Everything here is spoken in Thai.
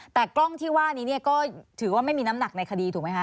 แต่กล้องที่ว่านี้เนี่ยก็ถือว่าไม่มีน้ำหนักในคดีถูกไหมคะ